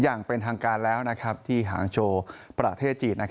อย่างเป็นทางการแล้วที่หางโชว์ประเทศจีน